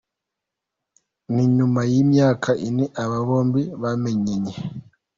Ni nyuma y’imyaka ine aba bombi bamenyanye.